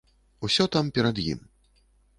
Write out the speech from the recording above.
Усё там перад ім.